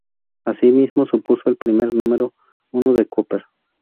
Asimismo, supuso el primer número uno de Cooper.